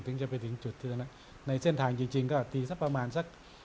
จะไปถึงจุดที่ในเส้นทางจริงก็ตีสักประมาณสัก